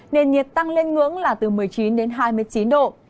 nền nhiệt tăng lên ngưỡng là từ một mươi chín đến hai mươi chín độ